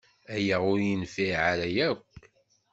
Aya ur yenfiɛ ara akk.